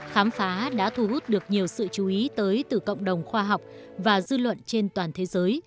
khám phá đã thu hút được nhiều sự chú ý tới từ cộng đồng khoa học và các nhà sản phẩm